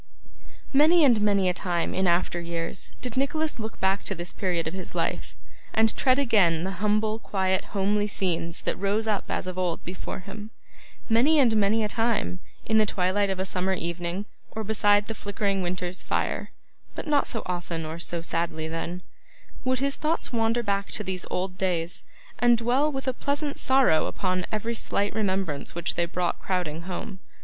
Many and many a time in after years did Nicholas look back to this period of his life, and tread again the humble quiet homely scenes that rose up as of old before him. Many and many a time, in the twilight of a summer evening, or beside the flickering winter's fire but not so often or so sadly then would his thoughts wander back to these old days, and dwell with a pleasant sorrow upon every slight remembrance which they brought crowding home.